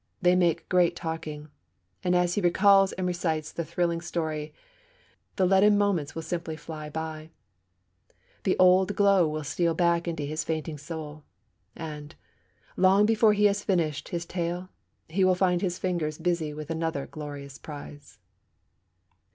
They make great talking. And as he recalls and recites the thrilling story, the leaden moments will simply fly, the old glow will steal back into his fainting soul, and, long before he has finished his tale, he will find his fingers busy with another glorious prize.